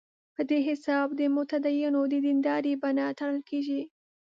په دې حساب د متدینو د دیندارۍ بڼه تړل کېږي.